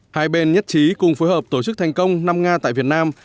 hai bên nhất trí cùng phối hợp tổ chức thành công năm nga tại việt nam